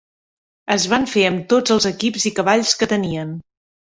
Es van fer amb tots els equips i cavalls que tenien.